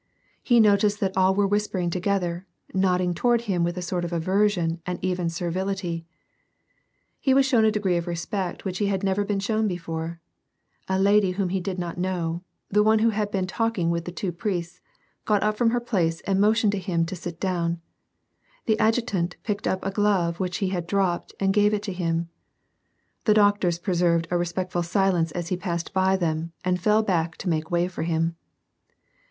He noticed that all were whisper ing together, nodding toward him with a sort of aversion and even servility. He was shown a degree of respect which he had never been shown before : a lady whom he did not know, the one who had been talking with the two priests, got up from her place and motioned to him to sit down : the adjutant picked up a glove which he had dropi^ed and gave it to him ; tlie drK't^irs preserved a res|)ectful silence as he piissed by them and fell back to make way for him.